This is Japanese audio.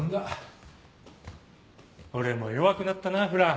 俺も弱くなったなフラン。